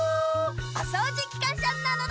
おそうじきかんしゃなのだ！